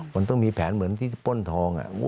มันต้องมีแผนเหมือนที่ป้นทอง